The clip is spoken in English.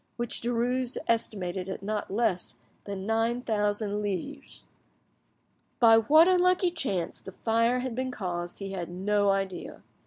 which Derues estimated at not less than nine thousand livres. By what unlucky chance the fire had been caused he had no idea.